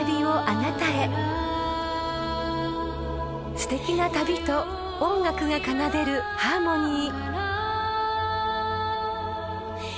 ［すてきな旅と音楽が奏でるハーモニー］